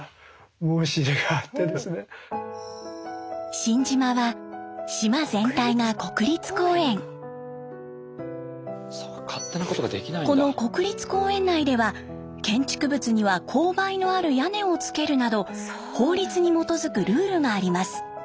新島はこの国立公園内では建築物には勾配のある屋根をつけるなど法律に基づくルールがあります。